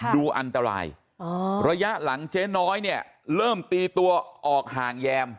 ดูอันตรายระยะหลังเจ๊น้อยเนี่ยเริ่มตีตัวออกห่างแยม